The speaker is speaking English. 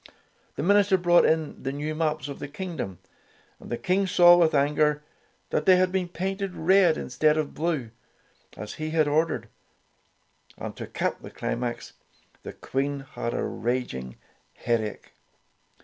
The minister brought in the new maps of the Tales of Modern Germany 33 kingdom, and the King saw with anger that they had been painted red instead of blue, as he had ordered, and to cap the climax, the Queen had a raging headache.